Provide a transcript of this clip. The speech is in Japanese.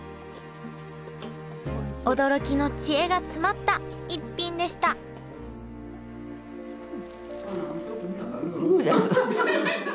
驚きの知恵が詰まった逸品でしたグーです。